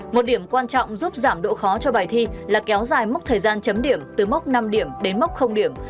một điểm quan trọng giúp giảm độ khó cho bài thi là kéo dài mốc thời gian chấm điểm từ mốc năm điểm đến mốc điểm